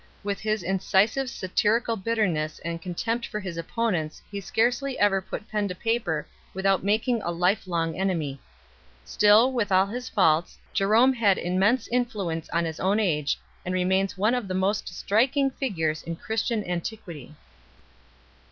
With his incisive satirical bitterness and contempt for his opponents he scarcely ever put pen to paper without making a life long enemy. Still, with all his faults, Jerome had immense influence on his own age, and remains one of the most striking figures in Christian antiquity.